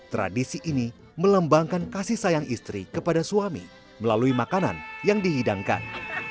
tradisi ini melembangkan kasih sayang istri kepada suami melalui makanan yang dihidangkan